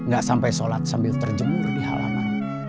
gak sampai sholat sambil terjemur di halaman